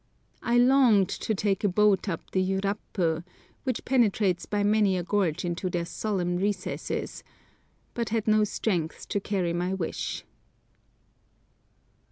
I longed to take a boat up the Yurapu, which penetrates by many a gorge into their solemn recesses, but had not strength to carry my wish.